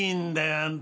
あんた